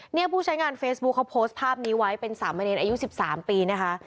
เนี่ยผู้ใช้งานเฟซบุ๊คเขาโพสต์ภาพนี้ไว้เป็นสามบะเนรอายุสิบสามปีนะคะ